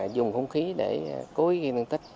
dùng hung khí để cố ghi năng tích